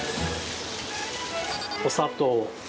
お砂糖。